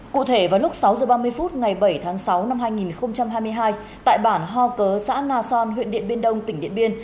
cụ thể vào lúc sáu h ba mươi phút ngày bảy tháng sáu năm hai nghìn hai mươi hai tại bản ho cớ xã na son huyện điện biên đông tỉnh điện biên